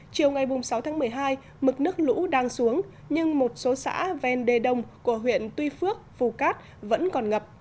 chiều ngày sáu tháng một mươi hai mực nước lũ đang xuống nhưng một số xã ven đê đông của huyện tuy phước phù cát vẫn còn ngập